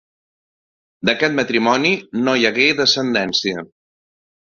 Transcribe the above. D'aquest matrimoni no hi hagué descendència.